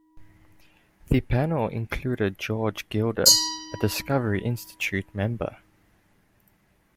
The panel included George Gilder, a Discovery Institute member.